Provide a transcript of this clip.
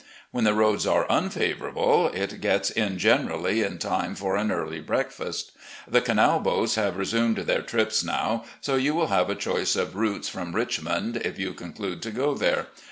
When the roads are unfavourable, it gets in generally in time for an early breakfast. The canal boats have resmned their trips now, so you will have a choice of routes from Richmond, if you conclude to go there.